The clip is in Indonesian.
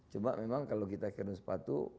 cuma memang kalau kita kirim sepatu